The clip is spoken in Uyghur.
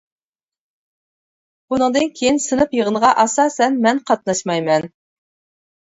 بۇنىڭدىن كىيىن سىنىپ يىغىنىغا ئاساسەن مەن قاتناشمايمەن.